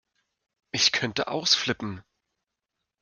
Ich könnte ausflippen!